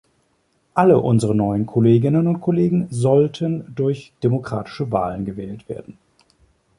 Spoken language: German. Alle unsere neuen Kolleginnen und Kollegen sollten durch demokratische Wahlen gewählt werden.